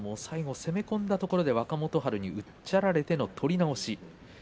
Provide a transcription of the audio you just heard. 攻め込んだところ、若元春にうっちゃられての取り直しでした。